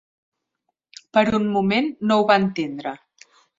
Per un moment no ho va entendre.